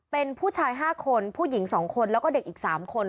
เป็นผู้ชาย๕คนผู้หญิง๒คนแล้วก็เด็กอีก๓คน